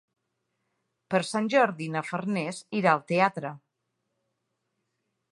Per Sant Jordi na Farners irà al teatre.